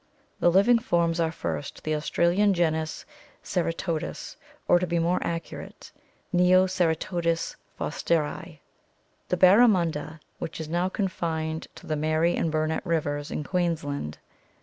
The living forms are, first, the Australian genus Ceratodus, or, to be more accurate, Neoceratodus forsteri (Fig. 139), the bar ramunda, which is now confined to the Mary and Burnett rivers in Queensland.